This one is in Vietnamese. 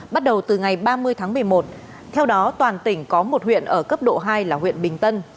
bắt đầu từ ngày ba mươi tháng một mươi một theo đó toàn tỉnh có một huyện ở cấp độ hai là huyện bình tân